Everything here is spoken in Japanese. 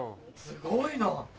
すごいな。